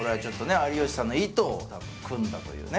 有吉さんの意図をくんだというね